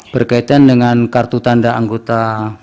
berkaitan dengan kartu tanda anggota